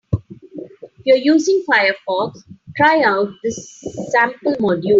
If you are using Firefox, try out this sample module.